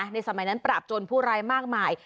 ในสมัยนั้นปราบจนผู้ร้ายมากมาย